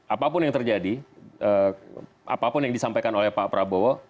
apapun yang terjadi apapun yang disampaikan oleh pak prabowo